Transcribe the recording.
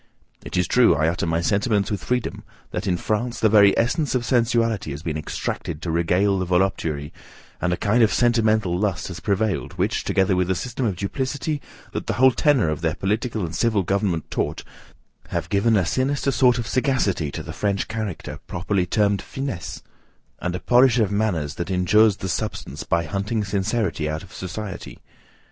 It is true, I utter my sentiments with freedom, that in France the very essence of sensuality has been extracted to regale the voluptuary, and a kind of sentimental lust has prevailed, which, together with the system of duplicity that the whole tenor of their political and civil government taught, have given a sinister sort of sagacity to the French character, properly termed finesse; and a polish of manners that injures the substance, by hunting sincerity out of society.